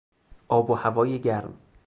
آب و هوای گرم